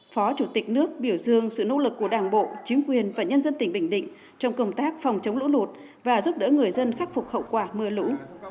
phó chủ tịch nước biểu dương sự nỗ lực của đảng bộ chính quyền và nhân dân tỉnh bình định trong công tác phòng chống lũ lụt và giúp đỡ người dân khắc phục hậu quả mưa lũ